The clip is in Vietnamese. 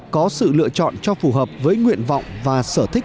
có sự lựa chọn cho phù hợp với nguyện vọng và sở thích